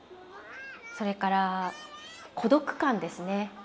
それから孤独感ですね。